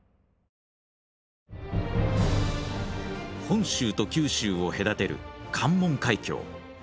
本州と九州を隔てる関門海峡。